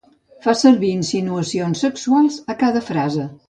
Fa servir insinuacions sexuals a cada frase.